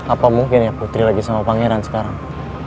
apa mungkin ya putri lagi sama pangeran sekarang